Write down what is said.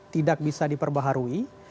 tidak bisa diperbaharui